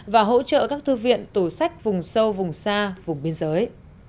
và hỗ trợ các thư viện tủ sách vùng sâu vùng xa vùng biên giới